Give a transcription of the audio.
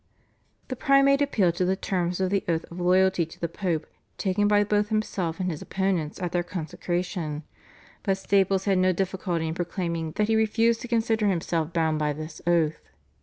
The Primate appealed to the terms of the oath of loyalty to the Pope taken by both himself and his opponents at their consecration, but Staples had no difficulty in proclaiming that he refused to consider himself bound by this oath.